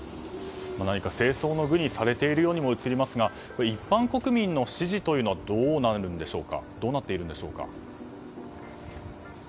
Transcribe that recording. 何か政争の具にされているような気もしますが一般国民の支持というのはどうなっているんでしょうか。